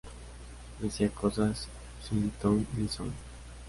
Decía cosas sin ton ni son